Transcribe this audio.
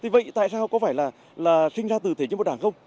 vậy tại sao có phải là sinh ra từ thể chế của đảng không